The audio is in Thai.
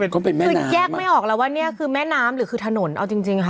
คือแยกไม่ออกแล้วว่าเนี่ยคือแม่น้ำหรือคือถนนเอาจริงจริงค่ะ